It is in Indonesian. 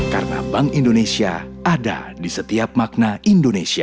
karena bank indonesia ada di setiap makna indonesia